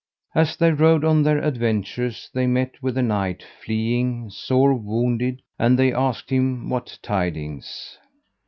As they rode on their adventures they met with a knight fleeing, sore wounded; and they asked him what tidings.